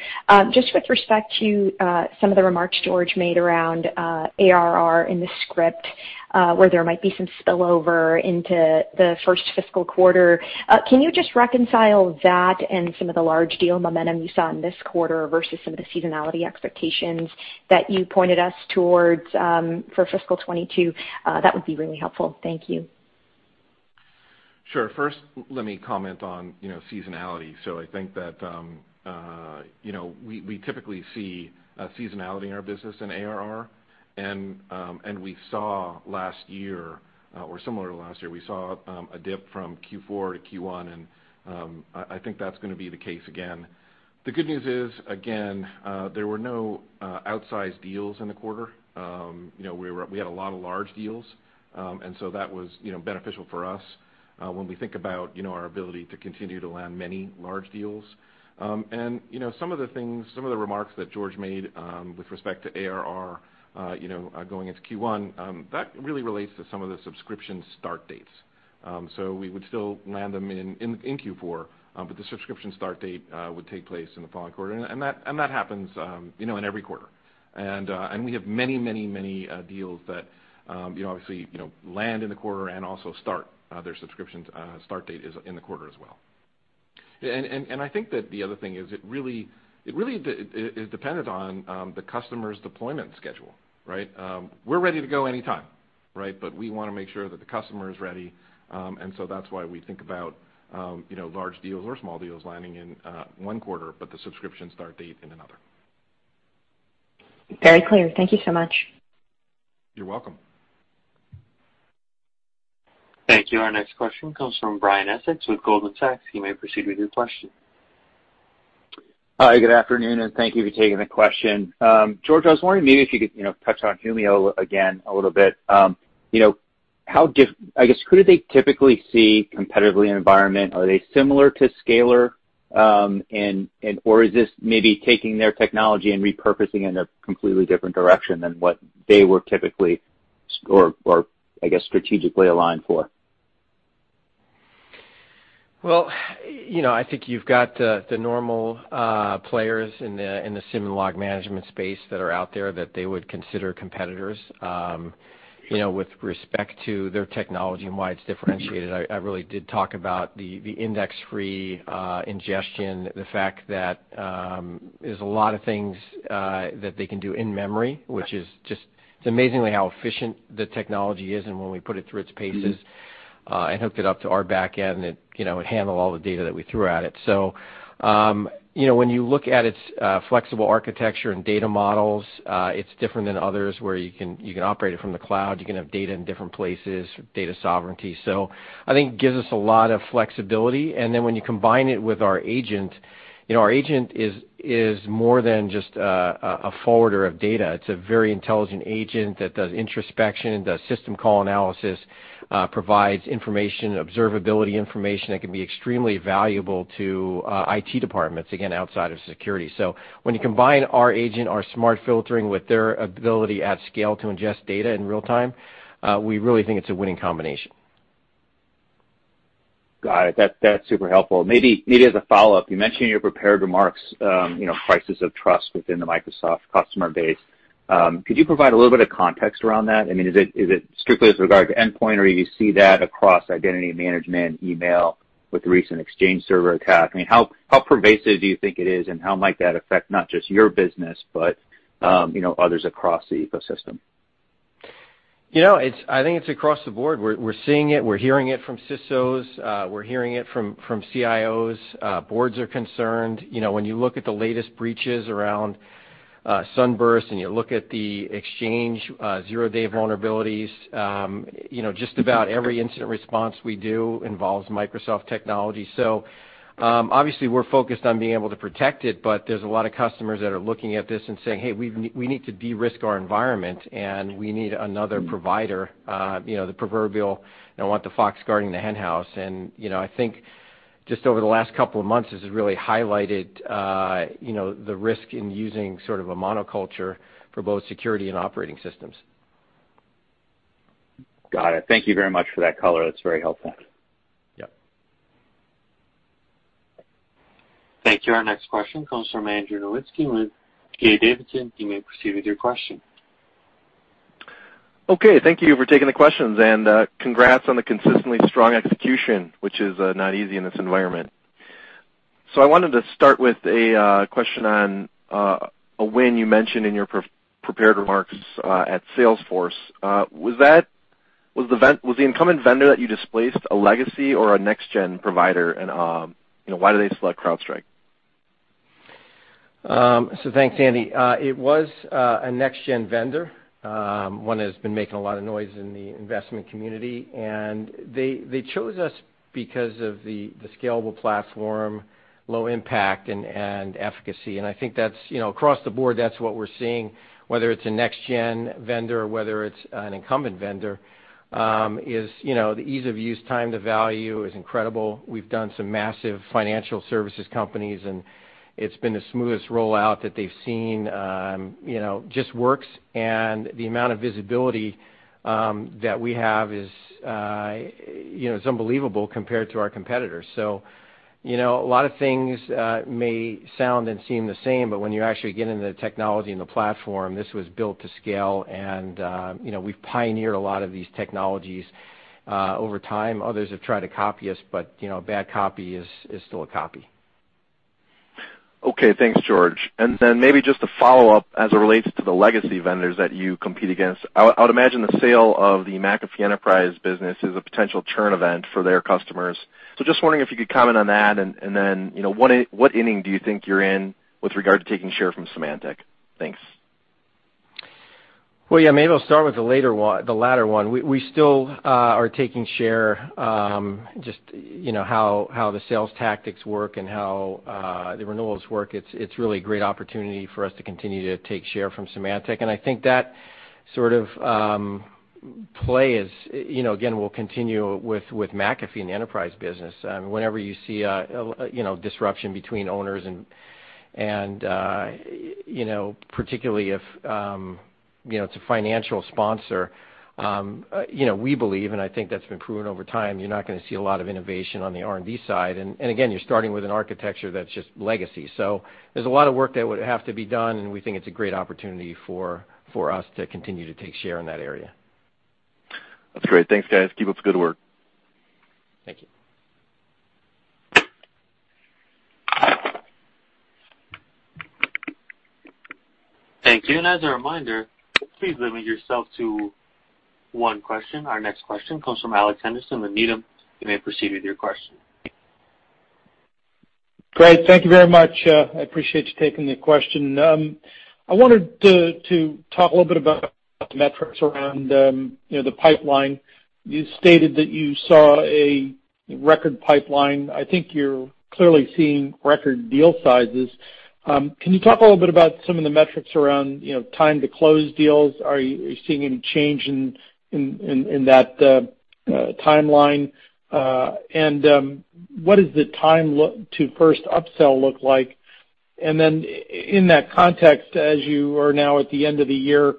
G: just with respect to some of the remarks George made around ARR in the script, where there might be some spillover into the first fiscal quarter, can you just reconcile that and some of the large deal momentum you saw in this quarter versus some of the seasonality expectations that you pointed us towards, for fiscal 2022? That would be really helpful. Thank you.
D: Sure. First, let me comment on seasonality. I think that we typically see a seasonality in our business in ARR, and we saw last year, or similar to last year, we saw a dip from Q4 to Q1, and I think that's going to be the case again. The good news is, again, there were no outsized deals in the quarter. We had a lot of large deals, that was beneficial for us, when we think about our ability to continue to land many large deals. Some of the things, some of the remarks that George made, with respect to ARR going into Q1, that really relates to some of the subscription start dates. We would still land them in Q4, the subscription start date would take place in the following quarter, and that happens in every quarter. We have many deals that obviously land in the quarter and also start their subscriptions start date is in the quarter as well. I think that the other thing is it really is dependent on the customer's deployment schedule. We're ready to go anytime. We want to make sure that the customer is ready. That's why we think about large deals or small deals landing in one quarter, but the subscription start date in another.
G: Very clear. Thank you so much.
D: You're welcome.
A: Thank you. Our next question comes from Brian Essex with Goldman Sachs. You may proceed with your question.
H: Hi, good afternoon, thank you for taking the question. George, I was wondering maybe if you could touch on Humio again a little bit. I guess, who do they typically see competitively in environment? Are they similar to Scalyr, or is this maybe taking their technology and repurposing it in a completely different direction than what they were typically or I guess, strategically aligned for?
C: Well, I think you've got the normal players in the SIEM and log management space that are out there that they would consider competitors. With respect to their technology and why it's differentiated, I really did talk about the index-free ingestion, the fact that there's a lot of things that they can do in-memory, which is just amazingly how efficient the technology is and when we put it through its paces and hooked it up to our back end, it handled all the data that we threw at it. When you look at its flexible architecture and data models, it's different than others, where you can operate it from the cloud, you can have data in different places, data sovereignty. I think it gives us a lot of flexibility, and then when you combine it with our agent, our agent is more than just a forwarder of data. It's a very intelligent agent that does introspection, does system call analysis, provides information, observability information that can be extremely valuable to IT departments, again, outside of security. When you combine our agent, our smart filtering, with their ability at scale to ingest data in real time, we really think it's a winning combination.
H: Got it. That's super helpful. Maybe as a follow-up, you mentioned in your prepared remarks, crisis of trust within the Microsoft customer base. Could you provide a little bit of context around that? Is it strictly with regard to endpoint, or you see that across identity management, email with the recent Exchange Server attack? How pervasive do you think it is, and how might that affect not just your business, but others across the ecosystem?
C: I think it's across the board. We're seeing it, we're hearing it from CISOs, we're hearing it from CIOs. Boards are concerned. When you look at the latest breaches around SUNBURST and you look at the Exchange zero-day vulnerabilities, just about every incident response we do involves Microsoft technology. Obviously we're focused on being able to protect it, but there's a lot of customers that are looking at this and saying, "Hey, we need to de-risk our environment, and we need another provider." The proverbial, don't want the fox guarding the henhouse. I think just over the last couple of months, this has really highlighted the risk in using sort of a monoculture for both security and operating systems.
H: Got it. Thank you very much for that color. That's very helpful.
C: Yep.
A: Thank you. Our next question comes from Andrew Nowinski with D.A. Davidson. You may proceed with your question.
I: Okay. Thank you for taking the questions, and congrats on the consistently strong execution, which is not easy in this environment. I wanted to start with a question on a win you mentioned in your prepared remarks at Salesforce. Was the incumbent vendor that you displaced a legacy or a next-gen provider, and why did they select CrowdStrike?
C: Thanks, Andrew. It was a next-gen vendor. One that has been making a lot of noise in the investment community, and they chose us because of the scalable platform, low impact and efficacy. I think across the board, that's what we're seeing, whether it's a next-gen vendor or whether it's an incumbent vendor, is the ease of use, time to value is incredible. We've done some massive financial services companies, and it's been the smoothest rollout that they've seen. It just works, and the amount of visibility that we have is unbelievable compared to our competitors. A lot of things may sound and seem the same, but when you actually get into the technology and the platform, this was built to scale and we've pioneered a lot of these technologies over time. Others have tried to copy us, but a bad copy is still a copy.
I: Okay, thanks, George. Maybe just a follow-up as it relates to the legacy vendors that you compete against. I would imagine the sale of the McAfee Enterprise business is a potential churn event for their customers. Just wondering if you could comment on that, what inning do you think you're in with regard to taking share from Symantec? Thanks.
C: Well, yeah, maybe I'll start with the latter one. We still are taking share. Just how the sales tactics work and how the renewals work, it's really a great opportunity for us to continue to take share from Symantec. I think that sort of play is, again, will continue with McAfee and the Enterprise business. Whenever you see a disruption between owners and particularly if it's a financial sponsor, we believe, and I think that's been proven over time, you're not going to see a lot of innovation on the R&D side. Again, you're starting with an architecture that's just legacy. There's a lot of work that would have to be done, and we think it's a great opportunity for us to continue to take share in that area.
I: That's great. Thanks, guys. Keep up the good work.
C: Thank you.
A: Thank you. As a reminder, please limit yourself to one question. Our next question comes from Alex Henderson with Needham. You may proceed with your question.
J: Great. Thank you very much. I appreciate you taking the question. I wanted to talk a little bit about the metrics around the pipeline. You stated that you saw a record pipeline. I think you're clearly seeing record deal sizes. Can you talk a little bit about some of the metrics around time to close deals? Are you seeing any change in that timeline? What does the time to first upsell look like? In that context, as you are now at the end of the year,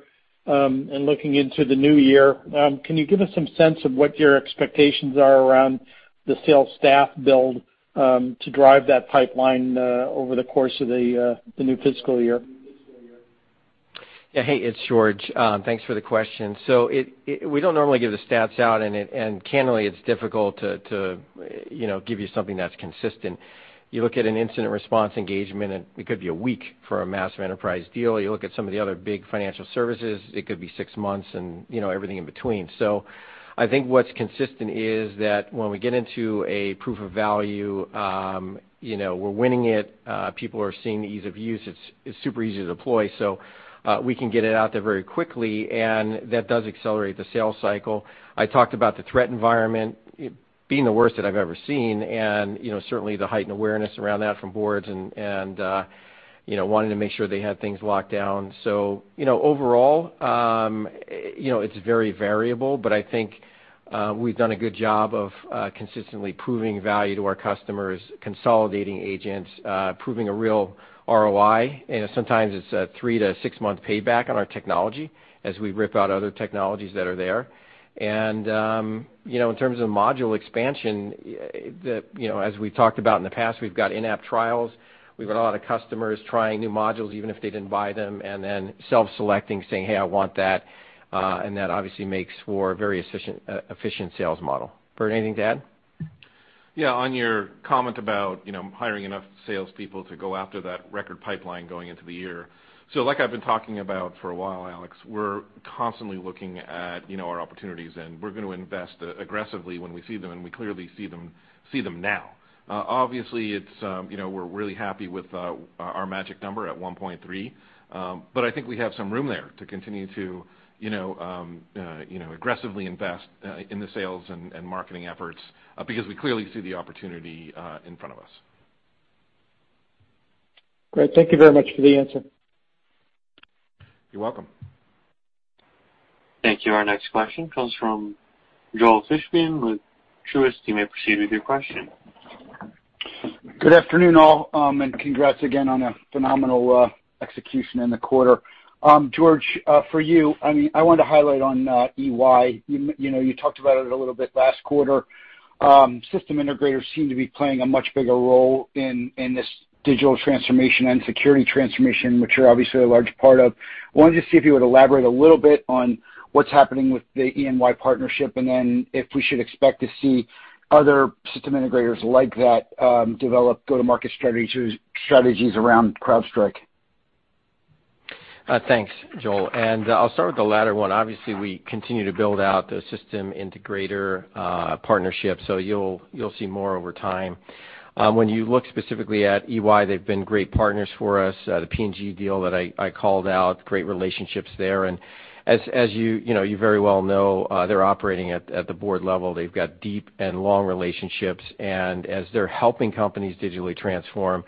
J: and looking into the new year, can you give us some sense of what your expectations are around the sales staff build to drive that pipeline over the course of the new fiscal year?
C: Yeah. Hey, it's George. Thanks for the question. We don't normally give the stats out, and candidly, it's difficult to give you something that's consistent. You look at an incident response engagement, and it could be a week for a massive enterprise deal. You look at some of the other big financial services, it could be six months and everything in between. I think what's consistent is that when we get into a proof of value, we're winning it. People are seeing the ease of use. It's super easy to deploy. We can get it out there very quickly, and that does accelerate the sales cycle. I talked about the threat environment being the worst that I've ever seen, and certainly the heightened awareness around that from boards and wanting to make sure they had things locked down. Overall, it's very variable, but I think we've done a good job of consistently proving value to our customers, consolidating agents, proving a real ROI. Sometimes it's a three to six-month payback on our technology as we rip out other technologies that are there. In terms of module expansion, as we've talked about in the past, we've got in-app trials. We've got a lot of customers trying new modules, even if they didn't buy them, and then self-selecting, saying, "Hey, I want that." That obviously makes for a very efficient sales model. Burt, anything to add?
D: Yeah, on your comment about hiring enough salespeople to go after that record pipeline going into the year. Like I've been talking about for a while, Alex, we're constantly looking at our opportunities, and we're going to invest aggressively when we see them, and we clearly see them now. Obviously, we're really happy with our magic number at 1.3, but I think we have some room there to continue to aggressively invest in the sales and marketing efforts because we clearly see the opportunity in front of us.
J: Great. Thank you very much for the answer.
D: You're welcome.
A: Thank you. Our next question comes from Joel Fishbein with Truist. You may proceed with your question.
K: Good afternoon, all. Congrats again on a phenomenal execution in the quarter. George, for you, I want to highlight on EY. You talked about it a little bit last quarter. System integrators seem to be playing a much bigger role in this digital transformation and security transformation, which you're obviously a large part of. Wanted to see if you would elaborate a little bit on what's happening with the EY partnership, and then if we should expect to see other system integrators like that develop go-to-market strategies around CrowdStrike.
C: Thanks, Joel. I'll start with the latter one. Obviously, we continue to build out the system integrator partnership, so you'll see more over time. When you look specifically at EY, they've been great partners for us. The P&G deal that I called out, great relationships there. As you very well know, they're operating at the board level. They've got deep and long relationships. As they're helping companies digitally transform,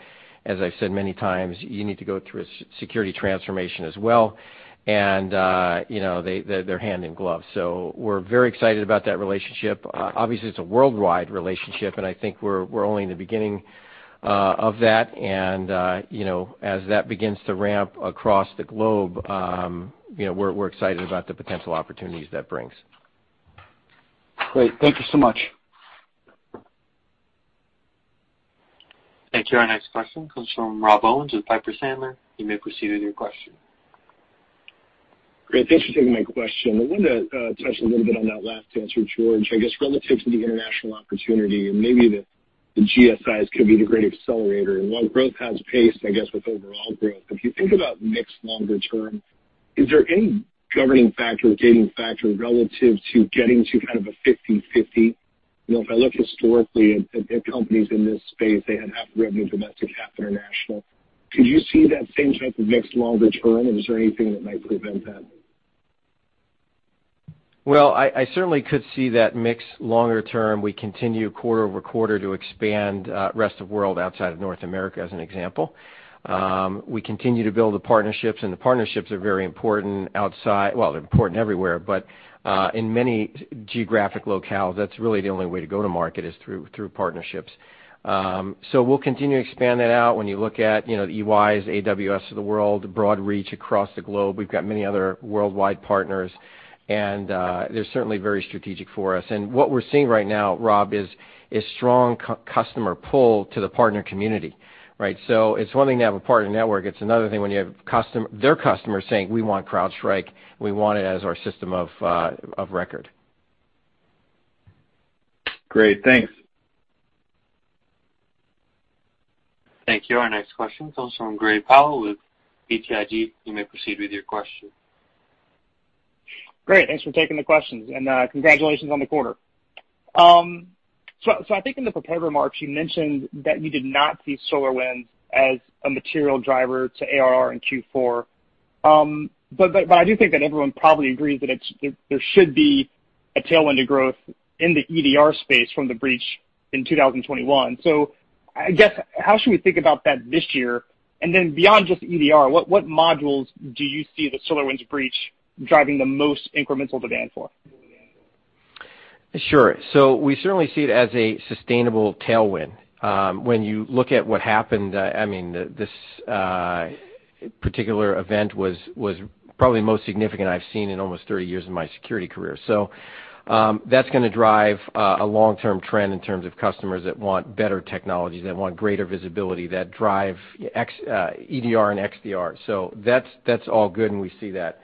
C: as I've said many times, you need to go through a security transformation as well. They're hand in glove. We're very excited about that relationship. Obviously, it's a worldwide relationship, and I think we're only in the beginning of that. As that begins to ramp across the globe, we're excited about the potential opportunities that brings.
K: Great. Thank you so much.
A: Thank you. Our next question comes from Rob Owens with Piper Sandler. You may proceed with your question.
L: Great. Thanks for taking my question. I wanted to touch a little bit on that last answer, George. I guess relative to the international opportunity and maybe the GSIs could be the great accelerator. While growth has paced, I guess, with overall growth, if you think about mix longer term, is there any governing factor or gating factor relative to getting to kind of a 50-50? If I look historically at companies in this space, they had half revenue domestic, half international. Could you see that same type of mix longer term, or is there anything that might prevent that?
C: Well, I certainly could see that mix longer term. We continue quarter-over-quarter to expand rest of world outside of North America, as an example. We continue to build the partnerships. The partnerships are very important outside. Well, they're important everywhere, but in many geographic locales, that's really the only way to go to market, is through partnerships. We'll continue to expand that out. When you look at the EYs, AWS of the world, broad reach across the globe, we've got many other worldwide partners, and they're certainly very strategic for us. What we're seeing right now, Rob, is strong customer pull to the partner community, right? It's one thing to have a partner network. It's another thing when you have their customers saying, "We want CrowdStrike. We want it as our system of record.
L: Great. Thanks.
A: Thank you. Our next question comes from Gray Powell with BTIG. You may proceed with your question.
M: Great. Thanks for taking the questions, and congratulations on the quarter. I think in the prepared remarks, you mentioned that you did not see SolarWinds as a material driver to ARR in Q4. I do think that everyone probably agrees that there should be a tailwind to growth in the EDR space from the breach in 2021. I guess, how should we think about that this year? Beyond just EDR, what modules do you see the SolarWinds breach driving the most incremental demand for?
C: Sure. We certainly see it as a sustainable tailwind. When you look at what happened, this particular event was probably the most significant I've seen in almost 30 years of my security career. That's going to drive a long-term trend in terms of customers that want better technology, that want greater visibility, that drive EDR and XDR. That's all good, and we see that.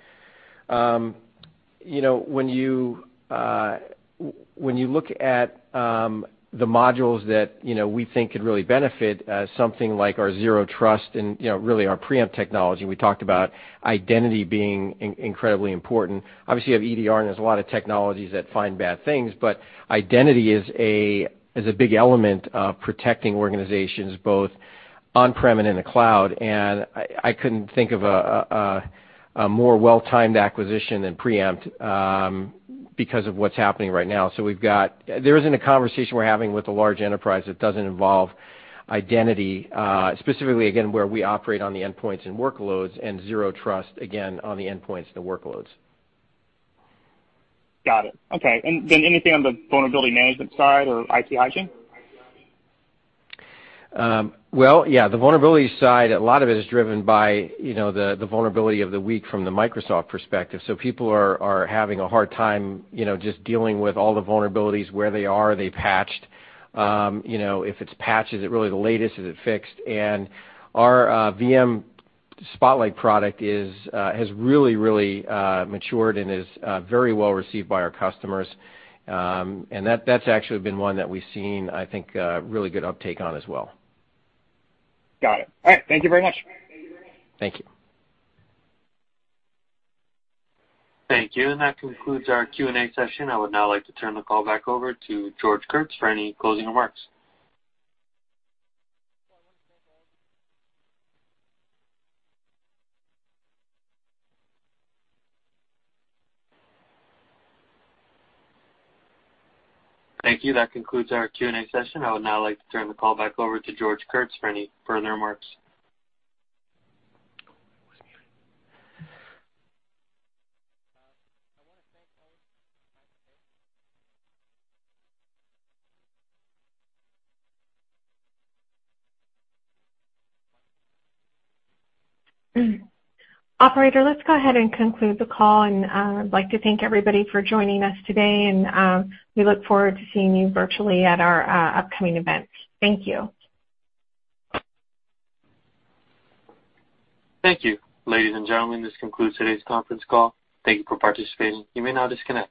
C: When you look at the modules that we think could really benefit, something like our Zero Trust and really our Preempt technology. We talked about identity being incredibly important. Obviously, you have EDR, and there's a lot of technologies that find bad things, but identity is a big element of protecting organizations both on-prem and in the cloud. I couldn't think of a more well-timed acquisition than Preempt because of what's happening right now. There isn't a conversation we're having with a large enterprise that doesn't involve identity, specifically again, where we operate on the endpoints and workloads and Zero Trust, again, on the endpoints and the workloads.
M: Got it. Okay. Then anything on the vulnerability management side or IT hygiene?
C: The vulnerability side, a lot of it is driven by the vulnerability of the week from the Microsoft perspective. People are having a hard time just dealing with all the vulnerabilities, where they are they patched. If it's patched, is it really the latest, is it fixed? Our Falcon Spotlight product has really matured and is very well received by our customers. That's actually been one that we've seen, I think, really good uptake on as well.
M: Got it. All right. Thank you very much.
C: Thank you.
A: Thank you. That concludes our Q and A session. I would now like to turn the call back over to George Kurtz for any further remarks.
C: Oh, I was muted. I want to thank all of you.
B: Operator, let's go ahead and conclude the call. I'd like to thank everybody for joining us today, and we look forward to seeing you virtually at our upcoming events. Thank you.
A: Thank you. Ladies and gentlemen, this concludes today's conference call. Thank you for participating. You may now disconnect.